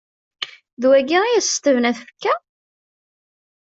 D wagi i yes-s tebna tfekka?